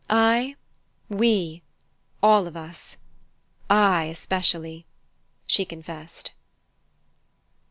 "I we all of us. I especially!" she confessed.